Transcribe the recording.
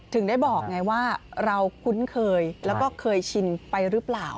ถึงได้บอกไงว่าเราคุ้นเคยแล้วก็เคยชินไปหรือเปล่า